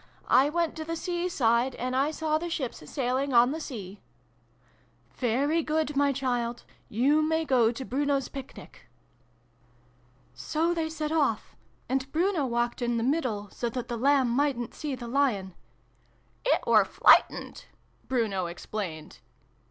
I went to the C side, and I saw the ships sailing on the C !'' Very good, my child ! You may go to Bruno's Picnic.' 230 SYLVIE AND BRUNO CONCLUDED. " So they set off. And Bruno walked in the middle, so that the Lamb mightn't see the Lion "It were fliglitened" Bruno explained.